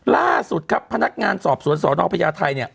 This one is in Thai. ล่าสุดครับพนักงานสอบสวนสอนอกไพรยาทัยนี่